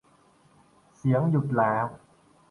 เสียงหยุดแล้ว